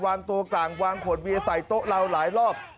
วางตัวกลางวางขวดเบียร์ใส่โต๊ะเราหลายรอบ